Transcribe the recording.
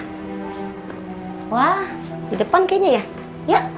kalo ada yang telfon kayaknya ya